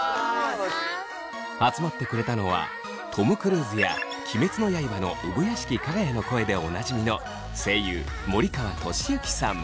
集まってくれたのはトム・クルーズや「鬼滅の刃」の産屋敷耀哉の声でおなじみの声優森川智之さん。